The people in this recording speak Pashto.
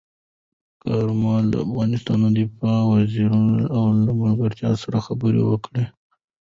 کارمل د افغانستان د دفاع وزیرانو او ملګرو سره خبرې کړي.